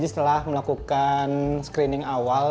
setelah melakukan screening awal